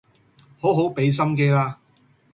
好好畀心機啦